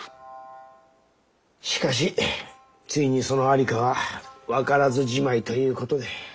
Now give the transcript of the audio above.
しかしついにその在りかは分からずじまいということで？